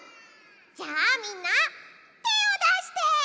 じゃあみんなてをだして！